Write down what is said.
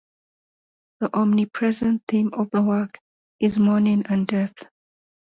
The omnipresent theme of the work is mourning and death.